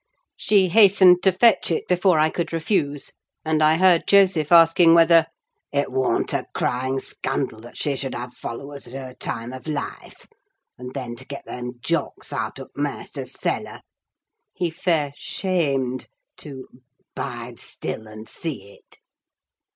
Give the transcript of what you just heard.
She hastened to fetch it before I could refuse, and I heard Joseph asking whether "it warn't a crying scandal that she should have followers at her time of life? And then, to get them jocks out o' t' maister's cellar! He fair shaamed to 'bide still and see it."